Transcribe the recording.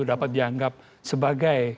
dapat dianggap sebagai